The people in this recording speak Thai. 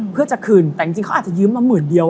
เพื่อจะคืนแต่จริงเขาอาจจะยืมมาหมื่นเดียว